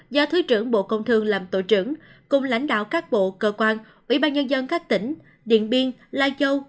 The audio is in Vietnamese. do thứ trưởng bộ công thương làm tổ trưởng cùng lãnh đạo các bộ cơ quan ủy ban nhân dân các tỉnh điện biên lai châu